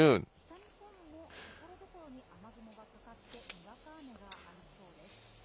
北日本もところどころに雨雲がかかって、にわか雨がありそうです。